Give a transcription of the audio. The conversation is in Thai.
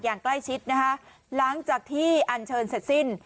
อย่างใกล้ชิดนะคะหลังจากที่อันเชิญเสร็จสิ้น